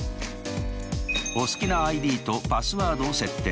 お好きなＩＤとパスワードを設定。